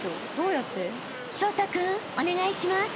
［彰太君お願いします］